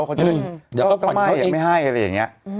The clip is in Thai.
ก็ไม่ให้อะไรอย่างเงี้ย